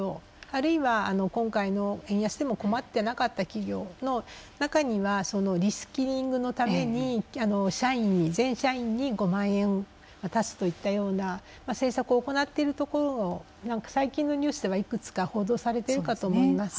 あるいは今回の円安でも困ってなかった企業の中にはそのリスキリングのために全社員に５万円渡すといったような政策を行っているところも最近のニュースではいくつか報道されているかと思います。